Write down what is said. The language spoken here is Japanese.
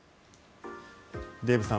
デーブさん